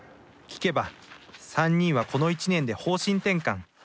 聞けば３人はこの１年で方針転換。